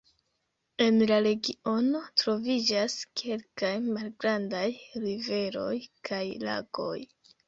En la regiono troviĝas kelkaj malgrandaj riveroj kaj lagoj.